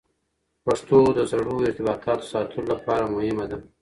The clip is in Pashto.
پښتو د زړو ارتباطاتو ساتلو لپاره مهمه ده.